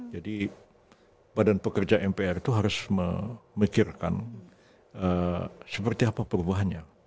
jadi badan pekerja mpr itu harus memikirkan seperti apa perubahannya